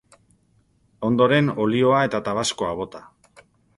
Ondoren, olioa eta tabaskoa bota.